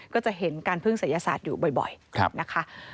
ก็จะเห็นการพึ่งศัยศาสตร์อยู่บ่อยนะคะ